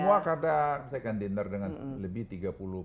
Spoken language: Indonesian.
semua kadang saya kan dinner dengan lebih tiga puluh pengusaha